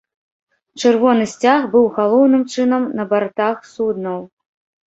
Чырвоны сцяг быў галоўным чынам на бартах суднаў.